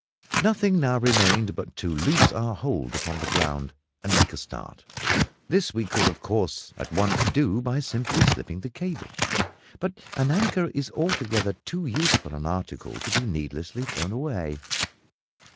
Nothing now remained but to loose our hold upon the ground, and make a start. This we could, of course, at once do by simply slipping the cable; but an anchor is altogether too useful an article to be needlessly thrown away.